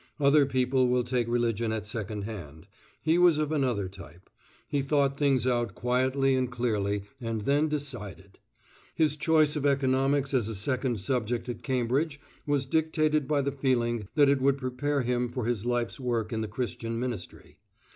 Other people will take religion at secondhand; he was of another type. He thought things out quietly and clearly, and then decided. His choice of Economics as a second subject at Cambridge was dictated by the feeling that it would prepare him for his life's work in the Christian ministry.